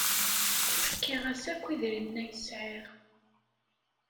Fkiɣ-as akk idrimen ay sɛiɣ.